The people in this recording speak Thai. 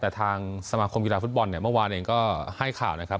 แต่ทางสมาคมกีฬาฟุตบอลเนี่ยเมื่อวานเองก็ให้ข่าวนะครับ